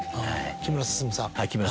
木村進さん。